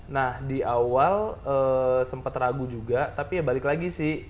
nah di awal sempet ragu juga tapi ya balik lagi sih